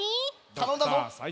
たのんだぞ。